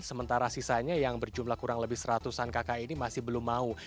sementara sisanya yang berjumlah kurang lebih seratusan kakak ini masih belum mau